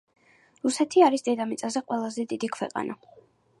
რუსეთი არის დედამიწაზე ყველაზე დიდი ქვეყანა